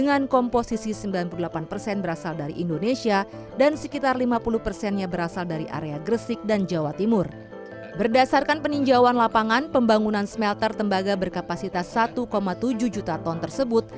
waktu ini pemerintah dan pemerintah di dalam negeri bisa mencari pemerintah yang lebih cepat